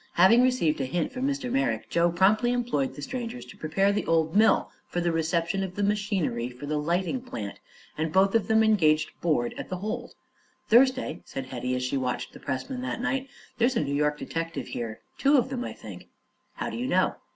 Having received a hint from Mr. Merrick, Joe promptly employed the strangers to prepare the old mill for the reception of the machinery for the lighting plant, and both of them engaged board at the hold. "Thursday," said Hetty, as she watched the pressman that night, "there's a New York detective here two of them, I think." "How do you know?"